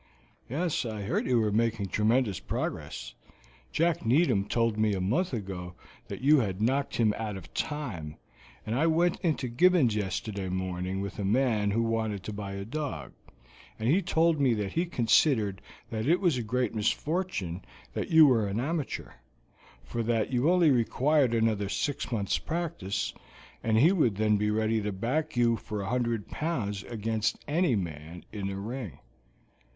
"Yes, I heard you were making tremendous progress. Jack Needham told me a month ago that you had knocked him out of time, and I went into Gibbons' yesterday morning with a man who wanted to buy a dog, and he told me that he considered that it was a great misfortune that you were an amateur, for that you only required another six months' practice, and he would then be ready to back you for a hundred pounds against any man in the ring.